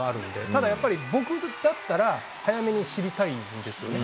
ただやっぱり、僕だったら、早めに知りたいんですよね。